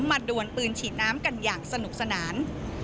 ดวนปืนฉีดน้ำกันอย่างสนุกสนาน